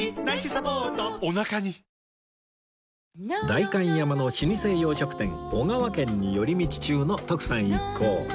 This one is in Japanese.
代官山の老舗洋食店小川軒に寄り道中の徳さん一行